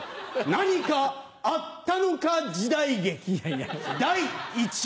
何かあったのか時代劇第１話。